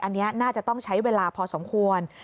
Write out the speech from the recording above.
อันนี้น่าจะต้องใช้เวลาพอสมควร